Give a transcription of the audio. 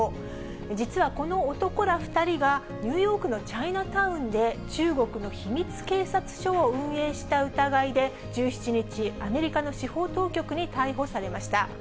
実は、この男ら２人がニューヨークのチャイナタウンで中国の秘密警察署を運営した疑いで１７日、アメリカの司法当局に逮捕されました。